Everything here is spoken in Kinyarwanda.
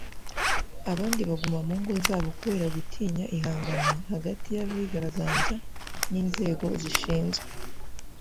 abandi baguma mu ngo kubera gutinya ihangana hagati y’abigaragambya n’inzego zishinzw